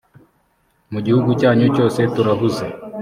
mu gihugu cyanyu cyose turahuze